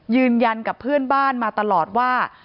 ยืนยันกับเพื่อนบ้านมาตลอดว่า